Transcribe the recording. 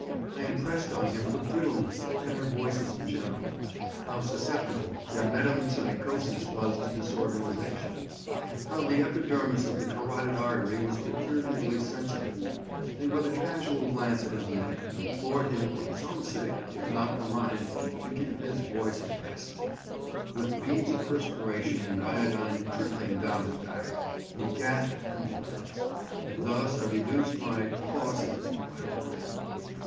I impressed on him the brittleness of tenor voices in general; how susceptible their metempsychosis was to disorganisation; how the epidermis of the carotid artery was peculiarly sensitive; and, with a casual glance at his neck, implored him for his own sake, if not for mine, to give his voice a rest. With beads of perspiration and iodine trickling down his back, he gasped compliance; and thus I reduced my "crosses" by one.